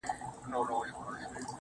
د ژوند په څو لارو كي.